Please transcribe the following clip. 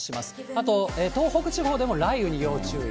あと、東北地方でも雷雨に要注意。